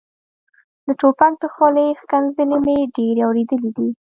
د ټوپک د خولې ښکنځلې مې ډېرې اورېدلې دي.